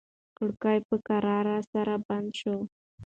کړکۍ په کراره سره بنده شوه.